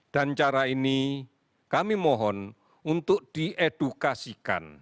dan cara ini kami mohon untuk diedukasikan